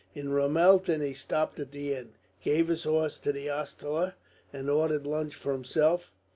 In Ramelton he stopped at the inn, gave his horse to the ostler, and ordered lunch for himself.